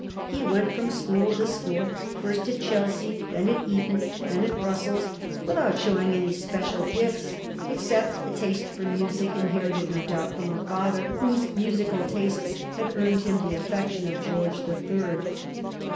He went from school to school first at Chelsea, then at Eton, then at Brussels without showing any special gifts, except a taste for music, inherited no doubt from the father, whose musical tastes had earned him the affection of George the Third.